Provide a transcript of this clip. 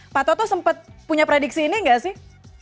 pak toto sempat punya prediksi ini nggak sih